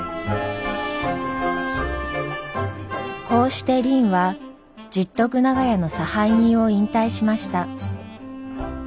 こうしてりんは十徳長屋の差配人を引退しました。